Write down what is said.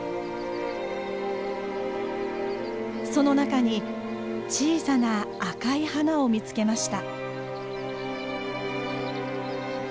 その中に小さな赤い花を見つけました。